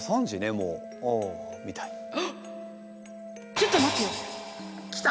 ちょっと待てよ。きた？